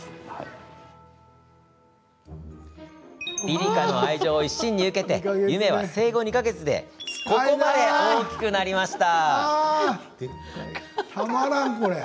ピリカの愛情を一身に受けてゆめは、生後２か月でここまで大きくなりました。